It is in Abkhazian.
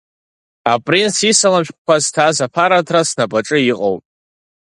Апринц исалам шәҟәқәа зҭаз аԥараҭра снапаҿы иҟоуп.